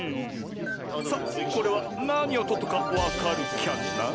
さあこれはなにをとったかわかるキャな？